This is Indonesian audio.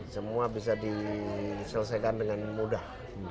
semua bisa diselesaikan dengan mudah